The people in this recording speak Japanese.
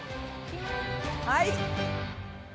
はい。